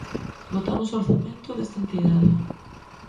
Votamos o orzamento desta entidade.